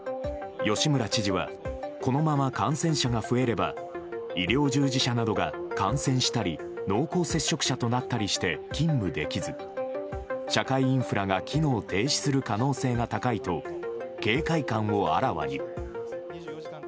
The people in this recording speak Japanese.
吉村知事はこのまま感染者が増えれば医療従事者などが感染したり濃厚接触者となったりして勤務できず、社会インフラが機能停止する可能性が高いと警戒感をあらわに。